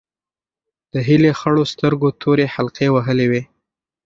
د هیلې خړو سترګو تورې حلقې وهلې وې.